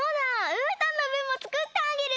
うーたんのぶんもつくってあげる！